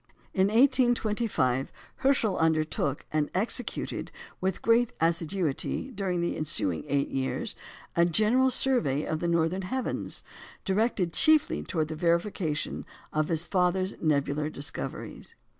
In 1825 Herschel undertook, and executed with great assiduity during the ensuing eight years, a general survey of the northern heavens, directed chiefly towards the verification of his father's nebular discoveries.